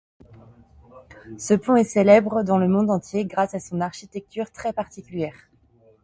Ce pont est célèbre dans le monde entier grâce à son architecture très particulière.